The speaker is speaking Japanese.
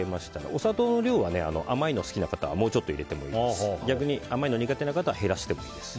お砂糖の量は甘いのが好きな方はもうちょっと入れてもいいですし逆に甘いの苦手な方は減らしてもいいです。